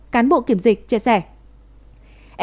cán bộ kiểm dịch chia sẻ